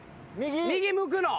右向くの。